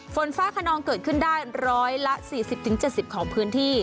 ฝนฟ้าขนองเกิดขึ้นได้๑๔๐๗๐ของพื้นที่